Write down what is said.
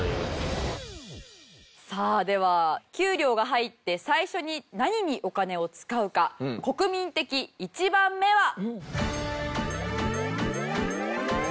さあでは給料が入って最初に何にお金を使うか国民的１番目は。